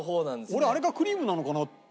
俺あれがクリームなのかなと。